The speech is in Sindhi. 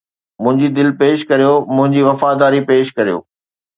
منهنجي دل پيش ڪريو، منهنجي وفاداري پيش ڪريو